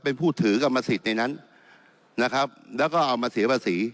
เป็นผู้ถือกรรมสิทธิ์ในนั้นนะครับแล้วก็เอามาเสียภาษี